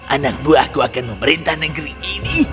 anak buahku akan memerintah negeri ini